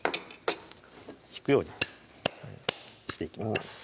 ひくようにしていきます